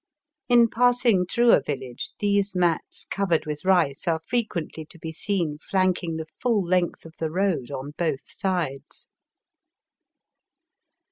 In passing through a village these mats covered with rice are frequently to be seen flanking the fall length of the road on both sides.